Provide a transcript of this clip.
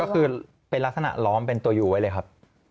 ก็คือเป็นลักษณะล้อมเป็นตัวอยู่ไว้เลยครับ